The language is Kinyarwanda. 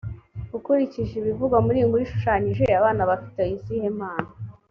ukurikije ibivugwa muri iyi nkuru ishushanyije abana bafite izihe mpano?